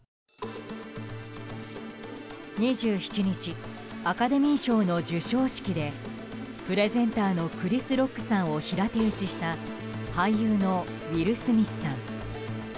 ２７日アカデミー賞の授賞式でプレゼンターのクリス・ロックさんを平手打ちした俳優のウィル・スミスさん。